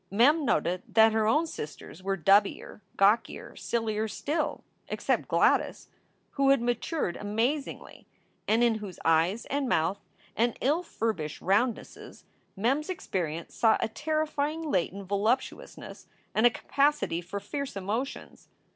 Mem noted that her own sisters were dubbier, gawkier, sillier still except Gladys, who had matured amazingly, and in whose eyes and mouth and ill furbished roundnesses 39 6 SOULS FOR SALE Mem s experience saw a terrifying latent voluptuousness and a capacity for fierce emotions.